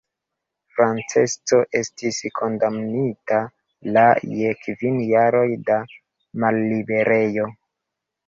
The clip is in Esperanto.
Francesco estis kondamnita la je kvin jaroj da malliberejo.